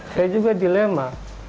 saya juga dilema